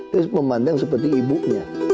dia harus memandang seperti ibunya